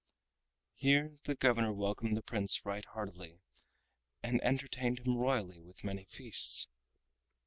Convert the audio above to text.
Here the governor welcomed the Prince right heartily and entertained him royally with many feasts.